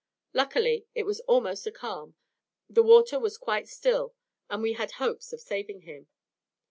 Luckily, it was almost a calm, the water was quite still, and we had hopes of saving him.